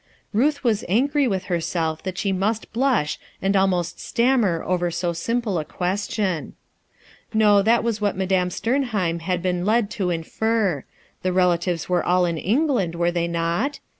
Ruth was angry with herself that she must blush and almost stammer over go simple a question. Kb, that was what Madame Stcmheim had been led to infer. The relatives were all in England, were they not?